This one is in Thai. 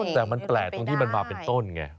แต่มันแปลกต้องที่มันมาเป็นต้นเนี่ย